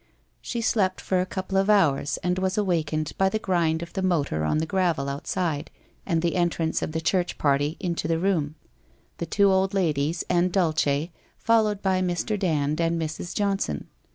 She slept for a couple of hours and was awakened by the grind of the motor on the gravel outside and the en trance of the church party into the room — the two old ladies and Dulce followed by Mr. Dand, and Mrs. Johnson.